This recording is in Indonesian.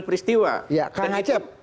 peristiwa ya kang acep